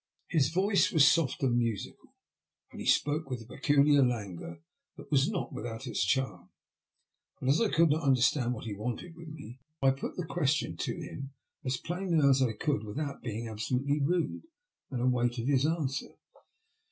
His voice was soft and musical, and he spoke with a peculiar languor that was not without its charm. But as I could not understand what he wanted with me, I put the question to him as plainly as I could with out being absolutely rude, and awaited his answer.